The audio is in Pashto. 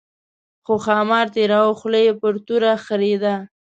خو ښامار تېراوه خوله یې پر توره خرېده.